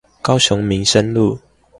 高雄民生路